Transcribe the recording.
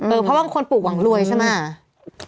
เพราะบางคนปลูกหวังรวยใช่ไหม